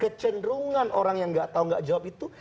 kecenderungan orang yang gak tau gak jawab itu